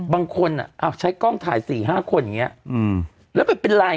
มันมุมแสงรึเปล่า